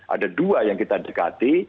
ada dua yang kita dekati